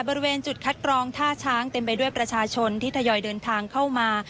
บริเวณจุดคัดกรองท่าช้างเต็มไปด้วยประชาชนที่ทยอยเดินทางเข้ามา